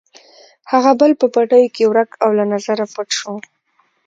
هغه بل یې په پټیو کې ورک او له نظره پټ شو.